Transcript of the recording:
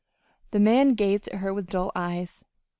The man gazed at her with dull eyes.